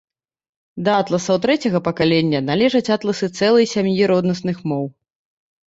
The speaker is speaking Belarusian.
Да атласаў трэцяга пакалення належаць атласы цэлай сям'і роднасных моў.